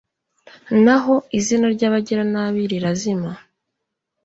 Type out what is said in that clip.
naho izina ry’abagiranabi rirazima